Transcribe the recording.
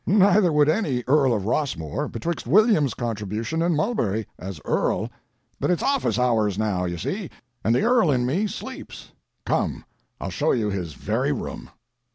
"Neither would any earl of Rossmore, betwixt William's contribution and Mulberry—as earl; but it's office hours, now, you see, and the earl in me sleeps. Come—I'll show you his very room."